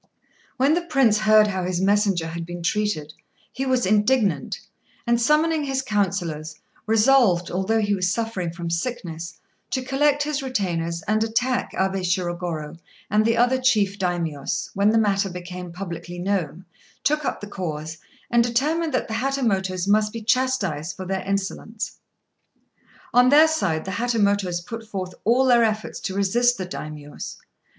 ] When the Prince heard how his messenger had been treated, he was indignant, and summoning his councillors resolved, although he was suffering from sickness, to collect his retainers and attack Abé Shirogorô; and the other chief Daimios, when the matter became publicly known, took up the cause, and determined that the Hatamotos must be chastised for their insolence. On their side, the Hatamotos put forth all their efforts to resist the Daimios.